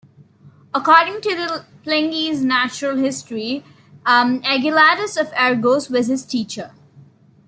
According to Pliny's Natural History, Ageladas of Argos was his teacher.